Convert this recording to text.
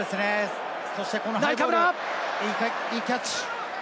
そしてこのハイボール、いいキャッチ。